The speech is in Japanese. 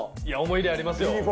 いや思い入れありますよ。